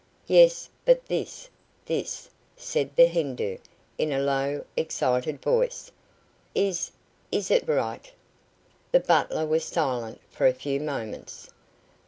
"Yes, but this, this," said the Hindoo, in a low, excited voice. "Is is it right?" The butler was silent for a few moments.